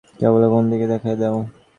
কেবলা কোন দিকে দেখাইয়া দেও!